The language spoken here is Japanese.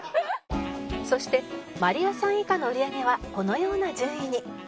そしてマリアさん以下の売り上げはこのような順位に